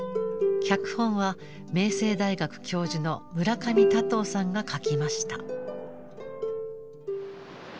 脚本は明星大学教授の村上湛さんが書きました。